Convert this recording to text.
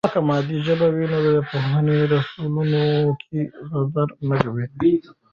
که مادي ژبه وي نو د پوهې رسولو کې غدر نه وي.